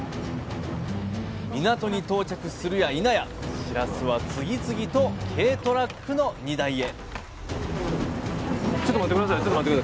港に到着するやいなやしらすは次々と軽トラックの荷台へ！